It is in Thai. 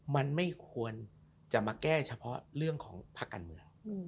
มันไม่ควรจะมาแก้เฉพาะเรื่องของภาคการเมือง